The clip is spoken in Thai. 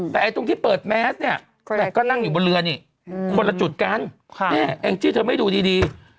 แต่ตรงที่เปิดแมสเนี่ยแต่ก็นั่งอยู่บนเรือนี่คนละจุดกันแองจี้เธอไม่ดูดี